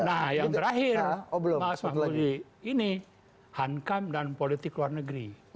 nah yang terakhir ini hankam dan politik luar negeri